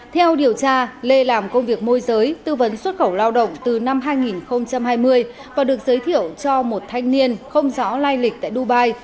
theo điều tra lê làm công việc môi giới tư vấn xuất khẩu lao động từ năm hai nghìn hai mươi và được giới thiệu cho một thanh niên không rõ lai lịch tại dubai